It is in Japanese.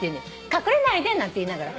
「隠れないで」なんて言いながら。